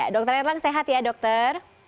dokter erlang sehat ya dokter